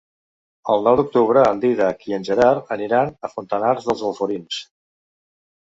El nou d'octubre en Dídac i en Gerard aniran a Fontanars dels Alforins.